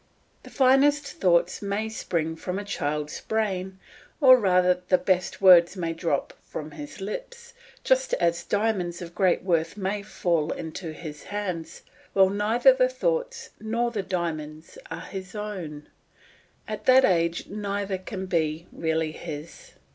The finest thoughts may spring from a child's brain, or rather the best words may drop from his lips, just as diamonds of great worth may fall into his hands, while neither the thoughts nor the diamonds are his own; at that age neither can be really his.